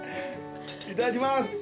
いただきます。